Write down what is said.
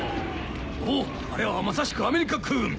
おあれはまさしくアメリカ空軍！